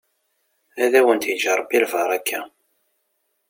Ad awen-d-yeǧǧ ṛebbi lbaṛaka.